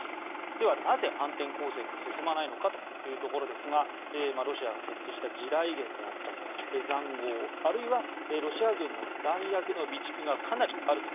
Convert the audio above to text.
では、なぜ反転攻勢が進まないのかというところですがロシアが設置した地雷原であったり塹壕あるいはロシア軍の弾薬の備蓄がかなりあると。